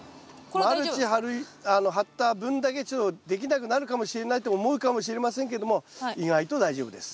マルチ張った分だけちょっとできなくなるかもしれないと思うかもしれませんけども意外と大丈夫です。